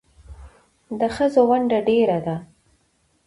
د ښځو ونډه ډېره ده